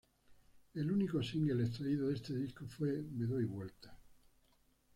El único single extraído de este disco fue ""Me doy vueltas"".